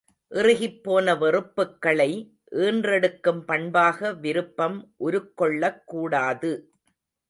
இறுகிப்போன வெறுப்புக்களை ஈன்றெடுக்கும் பண்பாக விருப்பம் உருக்கொள்ளக்கூடாது.